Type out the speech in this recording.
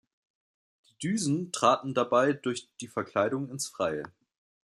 Die Düsen traten dabei durch die Verkleidung ins Freie.